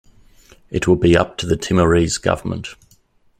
It will be up to the Timorese government.